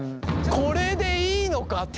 これでいいのかって。